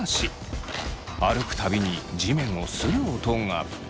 歩く度に地面をする音が。